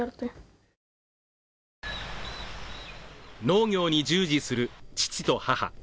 農業に従事する父と母。